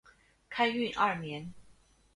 开运二年。